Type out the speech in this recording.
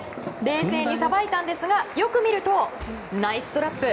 冷静にさばいたんですがよく見ると、ナイストラップ。